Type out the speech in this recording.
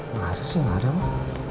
masa sih gak ada mama